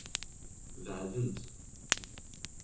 Beɛdent.